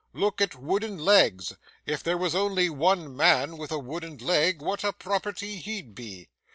Look at wooden legs. If there was only one man with a wooden leg what a property he'd be!